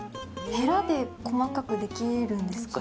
へらで細かくできるんですか？